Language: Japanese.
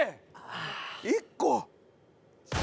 １個。